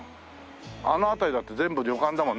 あの辺りだって全部旅館だもん。